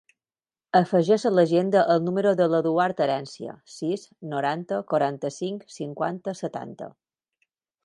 Afegeix a l'agenda el número de l'Eduard Herencia: sis, noranta, quaranta-cinc, cinquanta, setanta.